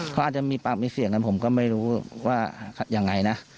เขาอาจจะมีปากมีเสียงกันผมก็ไม่รู้ว่ายังไงนะ